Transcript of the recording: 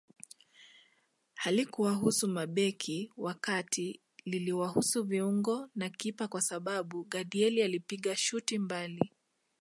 Halikuwahusu mabeki wa kati liliwahusu viungo na kipa kwa sababu Gadiel alipiga shuti mbali